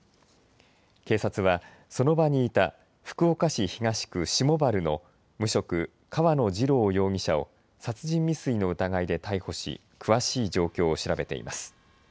警察はその場にいた福岡市東区下原の無職、川野二郎容疑者を殺人未遂の疑いで逮捕し詳しい状況を調べています。